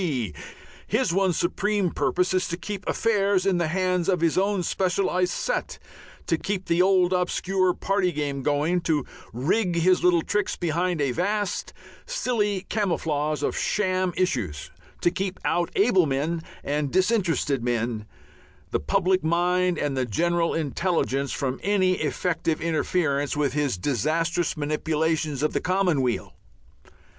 G. His one supreme purpose is to keep affairs in the hands of his own specialized set, to keep the old obscure party game going, to rig his little tricks behind a vast, silly camouflage of sham issues, to keep out able men and disinterested men, the public mind, and the general intelligence, from any effective interference with his disastrous manipulations of the common weal.